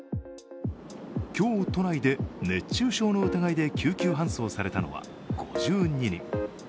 今日、都内で熱中症の疑いで救急搬送されたのは５２人。